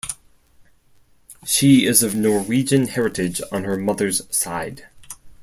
She is of Norwegian heritage on her mother's side.